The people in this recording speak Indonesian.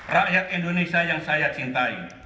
rakyat indonesia yang saya cintai